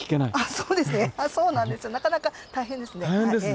そうですねそうなんですよなかなか大変ですね。